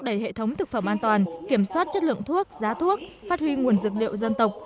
đẩy hệ thống thực phẩm an toàn kiểm soát chất lượng thuốc giá thuốc phát huy nguồn dược liệu dân tộc